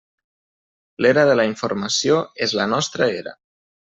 L'era de la informació és la nostra era.